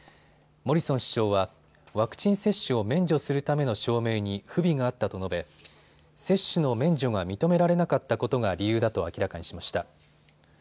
モリソン首相はワクチン接種を免除するための証明に不備があったと述べ、接種の免除が認められなかったことが理由だと明らかにしました。